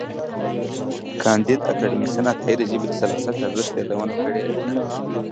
کانديد اکاډميسن عطايي د ژبې د سلاست ارزښت یادونه کړې ده.